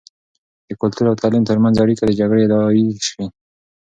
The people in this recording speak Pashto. د کلتور او تعليم تر منځ اړیکه د جګړې ادعایی شې.